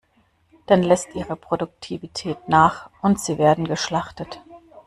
Dann lässt ihre Produktivität nach und sie werden geschlachtet.